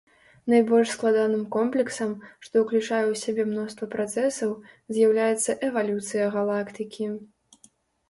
Найбольш складаным комплексам, што ўключае ў сябе мноства працэсаў, з'яўляецца эвалюцыя галактыкі.